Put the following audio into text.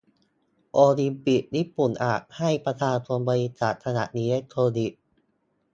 โอลิมปิก ญี่ปุ่นอาจให้ประชาชนบริจาคขยะอิเล็กทรอนิกส์